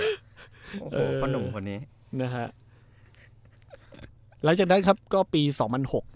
โอ้โหพ่อหนุ่มคนนี้นะฮะหลังจากนั้นครับก็ปีสองพันหก